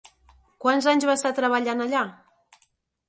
Quants anys va estar treballant allà?